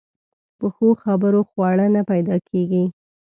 په ښو خبرو خواړه نه پیدا کېږي.